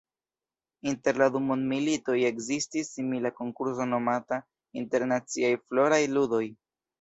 Inter la du mondmilitoj ekzistis simila konkurso nomata Internaciaj Floraj Ludoj.